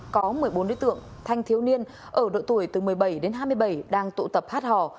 có một mươi bốn đối tượng thanh thiếu niên ở độ tuổi từ một mươi bảy đến hai mươi bảy đang tụ tập hát hò